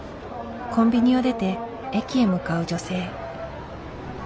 コンビニを出て駅へ向かう女性。